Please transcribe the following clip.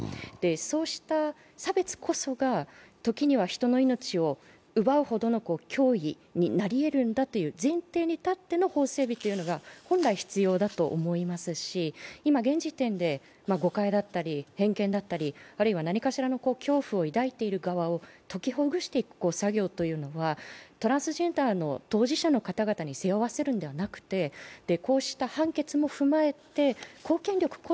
そうした差別こそが、時には人の命を奪うほどの脅威になりえるんだという前提に立っての法整備というのが本来、必要だと思いますし、今、現時点で誤解だったり偏見だったり、あるいは何かしらの恐怖を抱いている側を解きほぐしていく作業というのはトランスジェンダーの当事者の方々に７月１１日、火曜日から続けます。